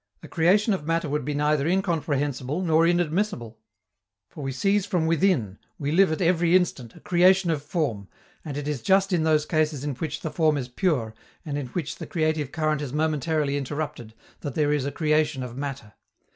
a creation of matter would be neither incomprehensible nor inadmissible. For we seize from within, we live at every instant, a creation of form, and it is just in those cases in which the form is pure, and in which the creative current is momentarily interrupted, that there is a creation of matter.